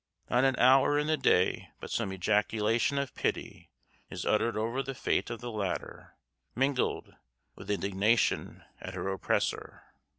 Not an hour in the day but some ejaculation of pity is uttered over the fate of the latter, mingled with indignation at her oppressor.